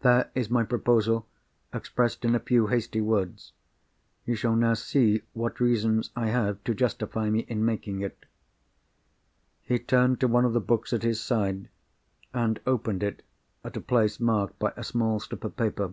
There is my proposal, expressed in a few hasty words. You shall now see what reasons I have to justify me in making it." He turned to one of the books at his side, and opened it at a place marked by a small slip of paper.